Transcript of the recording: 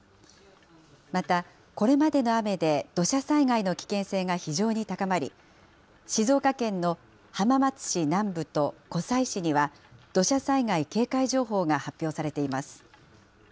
また、これまでの雨で土砂災害の危険性が非常に高まり、静岡県の浜松市南部と湖西市には、土砂災害警戒情報が発表されています。